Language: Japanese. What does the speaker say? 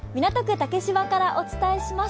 竹芝からお伝えします。